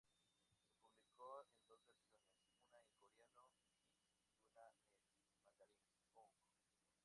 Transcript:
Se publicó en dos versiones, una en coreano, "Kiss", y una en mandarín, "Hug".